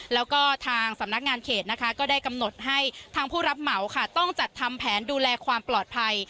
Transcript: แล้วก็ทางสำนักงานเขตนะคะก็ได้กำหนดให้ทางผู้รับเหมาค่ะต้องจัดทำแผนดูแลความปลอดภัย